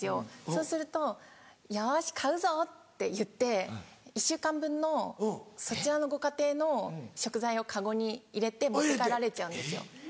そうするとよし買うぞ！って言って１週間分のそちらのご家庭の食材をカゴに入れて持って帰られちゃうんですよ。